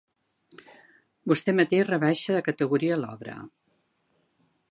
Vostè mateix rebaixa de categoria l'obra.